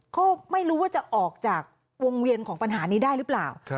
ก็ไม่รู้ว่าจะออกจากวงเวียนของปัญหานี้ได้หรือเปล่า